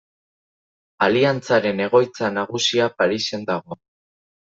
Aliantzaren egoitza nagusia Parisen dago.